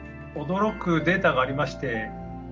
驚くデータがありまして。